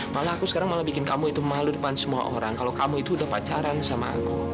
malah aku sekarang malah bikin kamu itu mahlukkan semua orang kalau kamu itu udah pacaran sama aku